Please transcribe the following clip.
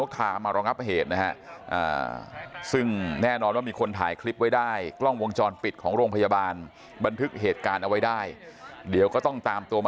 เข้าเข้าเข้าเข้า